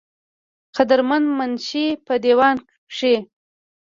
قدر مند منشي پۀ دېوان کښې